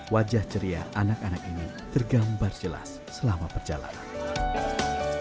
wajah ceria anak anak ini tergambar jelas selama perjalanan